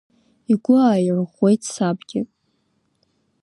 Игәы ааирӷәӷәеит сабгьы.